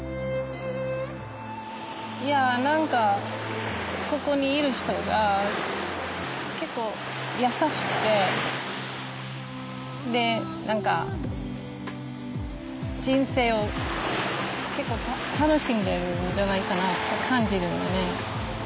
いや何かここにいる人が結構優しくてで何か人生を結構楽しんでるんじゃないかなと感じるのね。